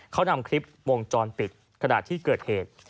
เขานำคลิปวงจรปิดขณะที่เกิดเหตุ